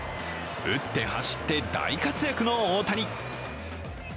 打って走って大活躍の大谷。